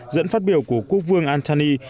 dẫn phát biểu của quốc vương anthony